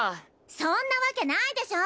そんなわけないでしょ！